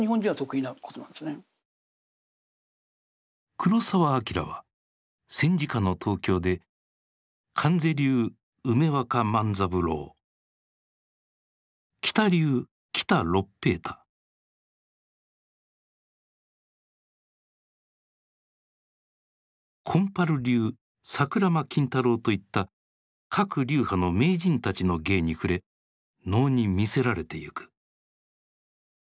黒澤明は戦時下の東京でといった各流派の名人たちの芸に触れ能に魅せられてゆく。